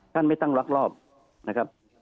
ท่านไม่ตั้งรักรอบนะครับ